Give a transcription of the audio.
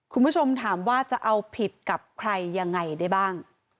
คุณผู้ชมถามว่าจะเอาผิดกับใครยังไงได้บ้าง